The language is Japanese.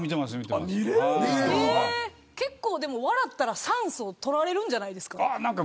でも、結構笑ったら酸素取られるんじゃないですか。